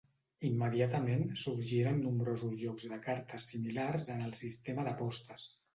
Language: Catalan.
Immediatament sorgiren nombrosos jocs de cartes similars en el sistema d'apostes.